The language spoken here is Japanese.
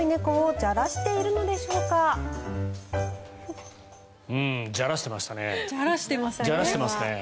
じゃらしてます、これは。